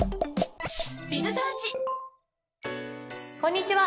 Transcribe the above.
こんにちは。